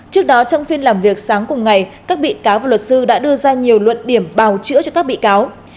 trước đó trong phiên làm việc sáng cùng ngày các bị cáo và luật sư đã đưa ra nhiều luận điểm bào chữa cho các bị cáo